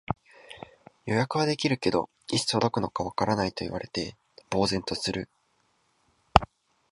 予約はできるけど、いつ届くのかわからないと言われて呆然とする